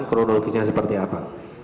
dan kronologisnya seperti apa